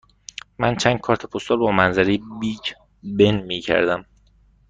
من چند کارت پستال با منظره بیگ بن می گردم.